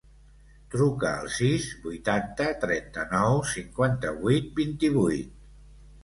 Truca al sis, vuitanta, trenta-nou, cinquanta-vuit, vint-i-vuit.